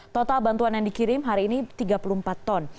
total bantuan yang dikirim hari ini tiga puluh empat ton